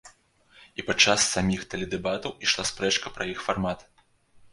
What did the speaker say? І падчас саміх тэледэбатаў ішла спрэчка пра іх фармат.